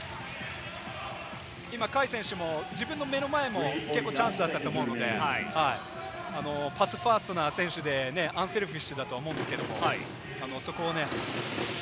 今、海選手も自分の目の前もチャンスだったと思うんで、パスファーストな選手でセルフィッシュだと思うんですけれども。